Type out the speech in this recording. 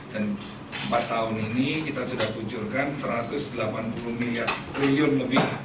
dan empat tahun ini kita sudah kucurkan rp satu ratus delapan puluh triliun